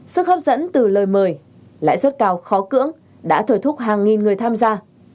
sức hấp dẫn từ lời mời lãi suất cao khó cưỡng đã thổi thúc hàng nghìn người tham gia